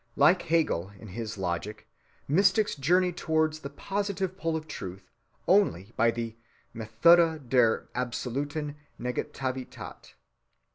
Like Hegel in his logic, mystics journey towards the positive pole of truth only by the "Methode der Absoluten Negativität."